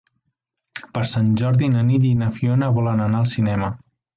Per Sant Jordi na Nit i na Fiona volen anar al cinema.